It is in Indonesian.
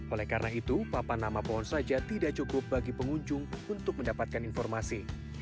oleh karena itu papan nama pohon saja tidak cukup bagi pengunjung untuk mendapatkan informasi